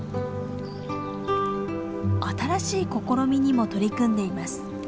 新しい試みにも取り組んでいます。